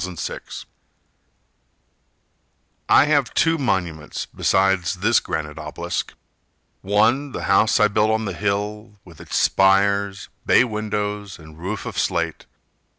Lambert Hutchins I have two monuments besides this granite obelisk: One, the house I built on the hill, With its spires, bay windows, and roof of slate.